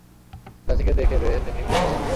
চাচিকে দেখেবে, তিনি বুঝতে পারবে।